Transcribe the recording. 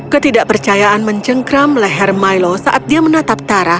ketidakpercayaan mencengkram leher milo saat dia menatap tara